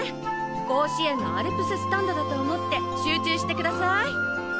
甲子園のアルプススタンドだと思って集中してください！